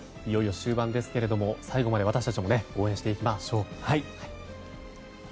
いよいよ終盤ですけれども最後まで私たちも応援していきましょう。